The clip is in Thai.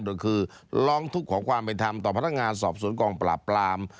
โดยคือร้องทุกข์ขอความเป็นธรรมต่อพนักงานสอบสวนกองปราบปราม